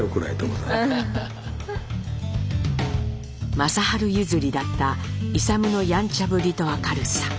正治譲りだった勇のやんちゃぶりと明るさ。